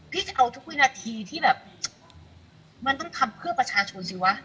จะเอาทุกวินาทีที่แบบมันต้องทำเพื่อประชาชนสิวะ